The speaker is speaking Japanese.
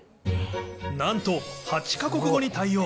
なんと、８か国語に対応。